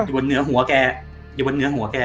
บนเหนือหัวแกอยู่บนเนื้อหัวแก